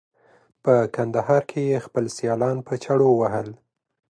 په کندهار کې یې خپل سیالان په چړو وهل.